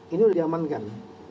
ini sudah diamankan